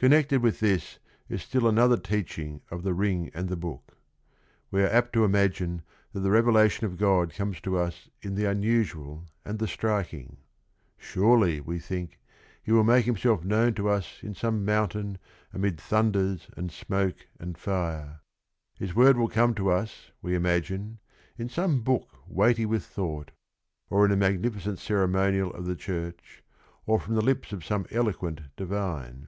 Connected with this is still another teaching of The Ring and the Book. We are apt to im agine that the revelation of God comes to us in the unusual and the striking. Surely, we think, He will make Himself known to us in some moun tain amid thunders and smoke and fire. His word will come to us, we imagine, in some book weighty with thought, or in the magnificent cere monial of the church, or from the lips of some eloquent divine.